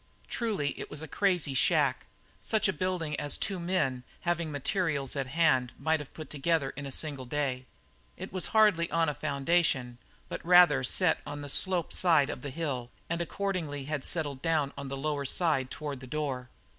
Truly it was a crazy shack such a building as two men, having the materials at hand, might put together in a single day. It was hardly based on a foundation, but rather set on the slope side of the hill, and accordingly had settled down on the lower side toward the door.